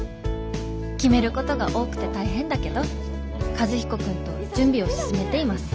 決めることが多くて大変だけど和彦君と準備を進めています」。